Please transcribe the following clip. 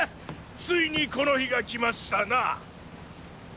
ついにこの日が来ましたな。